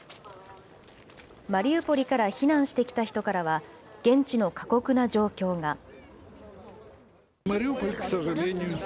マリウポリから避難してきた人からは、現地の過酷な状況が。